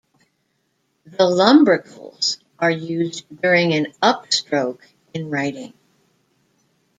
The lumbricals are used during an upstroke in writing.